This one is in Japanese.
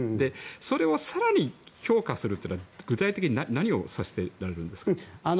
それを更に強化するというのは具体的に何を指しておられますか？